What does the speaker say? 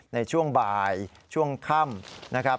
ในช่วงบ่ายช่วงค่ำนะครับ